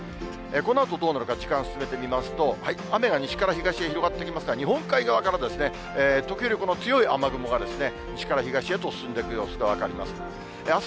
このあとどうなるか、時間進めてみますと、雨が西から東へ広がってきますが、日本海側から、時折この強い雨雲が西から東へと進んでいく様子が分かります。